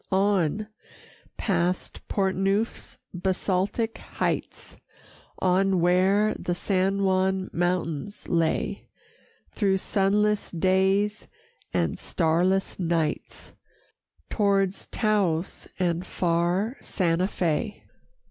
On, past Portneuf's basaltic heights, On where the San Juan mountains lay, Through sunless days and starless nights, Towards Taos and far Sante Fé.